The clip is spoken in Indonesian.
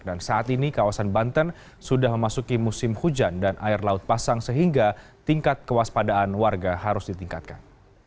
dan saat ini kawasan banten sudah memasuki musim hujan dan air laut pasang sehingga tingkat kewaspadaan warga harus ditingkatkan